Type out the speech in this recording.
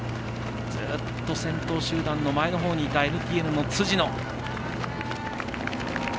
ずっと先頭集団の前のほうにいたＮＴＮの辻野。